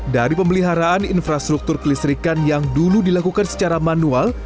dari pemeliharaan infrastruktur kelistrikan yang dulu dilakukan secara manual